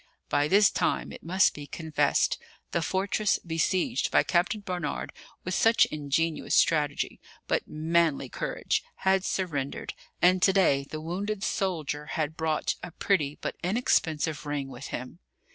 By this time, it must be confessed, the fortress besieged by Captain Barnard with such ingenuous strategy, but manly courage, had surrendered; and to day the wounded soldier had brought a pretty but inexpensive ring with him.